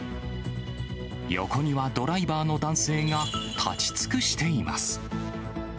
横にはドライバーの男性が立ち尽くしています。